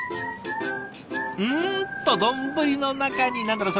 うんと丼の中に何だろう？